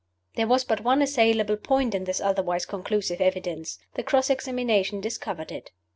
There was but one assailable point in this otherwise conclusive evidence. The cross examination discovered it.